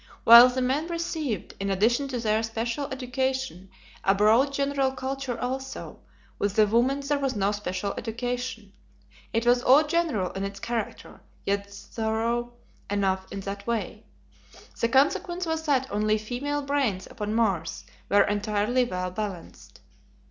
While the men received, in addition to their special education, a broad general culture also, with the women there was no special education. It was all general in its character, yet thorough enough in that way. The consequence was that only female brains upon Mars were entirely well balanced.